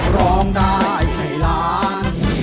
ร้องได้ให้ล้าน